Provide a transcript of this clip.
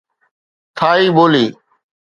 ٿائي ٻولي